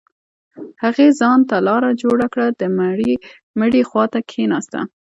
هغې ځان ته لاره جوړه كړه د مړي خوا ته كښېناسته.